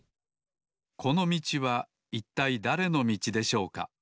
このみちはいったいだれのみちでしょうか？